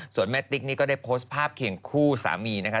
ส่วนแม่ติ๊กนี่ก็ได้โพสต์ภาพเคียงคู่สามีนะคะ